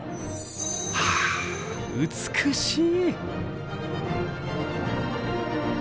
はあ美しい！